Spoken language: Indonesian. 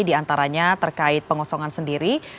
diantaranya terkait pengosongan sendiri